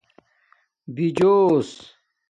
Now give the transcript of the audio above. بِجوس